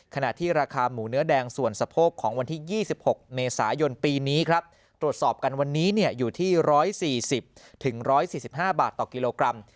ขณะที่ราคาหมูเนื้อแดงส่วนสะโพกของวันที่๒๖เมษายนปีนี้ครับตรวจสอบกันวันนี้อยู่ที่๑๔๐๑๔๕บาทต่อกิโลกรัม